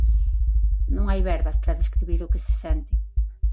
Non hai verbas para describir o que se sente.